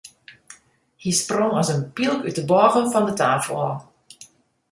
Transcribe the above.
Hy sprong as in pylk út de bôge fan de tafel ôf.